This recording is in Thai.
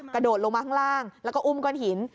กระโดดลงมาข้างล่างแล้วก็อุ้มก้อนหิน